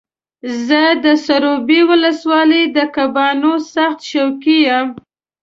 زه د سروبي ولسوالۍ د کبانو سخت شوقي یم.